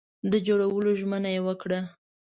د جوړولو ژمنه یې وکړه.